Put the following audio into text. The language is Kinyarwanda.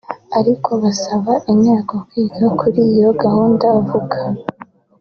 ariko basaba Inteko kwiga kuri iyo gahunda vuba